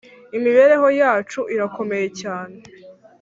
Imibereho yacu irakomeye cyane.